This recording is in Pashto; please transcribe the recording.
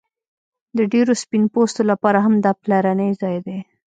د ډیرو سپین پوستو لپاره هم دا پلرنی ځای دی